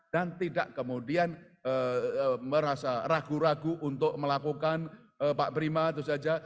dan tidak kemudian merasa ragu ragu untuk melakukan pak prima itu saja